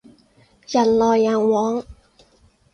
人來人往